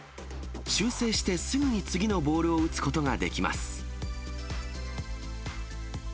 修正してすぐに次のボールを打つことができます。